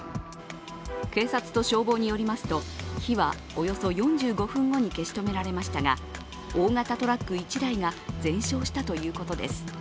警察と消防によりますと、火はおよそ４５分後に消し止められましたが、大型トラック１台が全焼したということです。